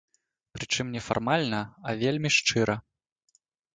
Прычым не фармальна, а вельмі шчыра.